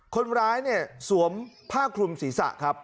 คนร้ายเนี่ยสวมผ้าคลุมศีรษะครับ